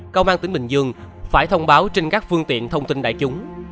công an tỉnh bình dương phải thông báo trên các phương tiện thông tin đại chúng